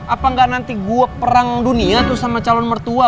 apa nggak nanti gue perang dunia tuh sama calon mertua